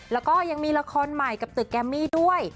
แล้วก็ยังมีละครใหม่กับตึกแกมมี่ด้วย